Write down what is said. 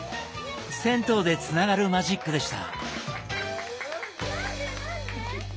銭湯でつながるマジックでした。